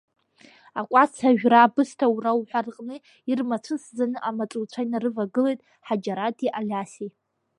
Акәац ажәра, абысҭа аура уҳәа рҟны ирмацәысӡаны амаҵуцәа инарывагылеит Ҳаџьараҭи Алиаси.